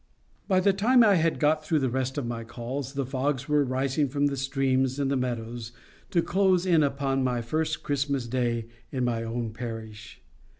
By the time I had got through the rest of my calls, the fogs were rising from the streams and the meadows to close in upon my first Christmas Day in my own parish.